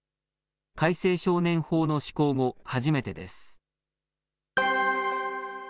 改正少年法の施行後初めてです。